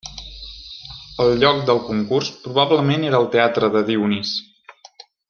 El lloc del concurs probablement era al Teatre de Dionís.